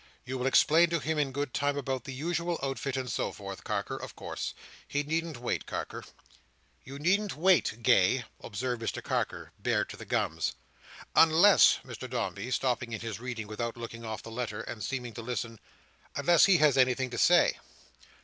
"You will explain to him in good time about the usual outfit and so forth, Carker, of course. He needn't wait, Carker." "You needn't wait, Gay," observed Mr Carker: bare to the gums. "Unless," said Mr Dombey, stopping in his reading without looking off the letter, and seeming to listen. "Unless he has anything to say."